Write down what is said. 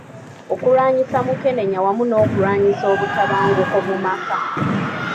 Okulwanyisa Mukenenya wamu n’okulwanyisa obutabanguko mu maka.